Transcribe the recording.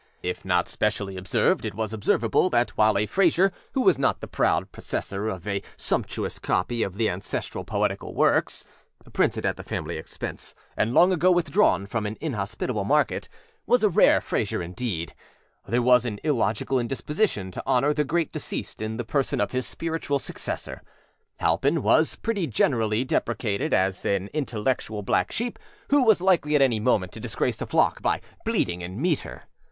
If not specially observed, it was observable that while a Frayser who was not the proud possessor of a sumptuous copy of the ancestral âpoetical worksâ (printed at the family expense, and long ago withdrawn from an inhospitable market) was a rare Frayser indeed, there was an illogical indisposition to honor the great deceased in the person of his spiritual successor. Halpin was pretty generally deprecated as an intellectual black sheep who was likely at any moment to disgrace the flock by bleating in meter.